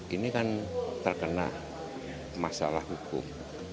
ini kan terkena masalah hukum